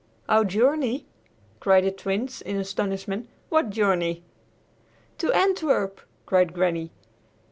"Our journey!" cried the Twins in astonishment. "What journey?" "To Antwerp," cried Granny.